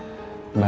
ini juga gak apa apa